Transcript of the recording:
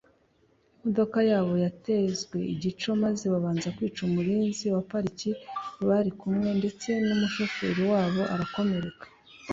Imodoka yabo yatezwe igico maze babanza kwica umurinzi wa pariki bari kumwe ndetse n’umushoferi wabo arakomereka